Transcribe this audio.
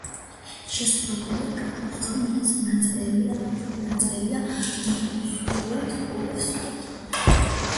შესრულებულია ქაღალდზე, ნაწერია ნუსხურით ორ სვეტად.